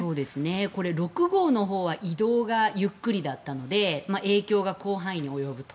これ、６号のほうは移動がゆっくりだったので影響が広範囲に及ぶと。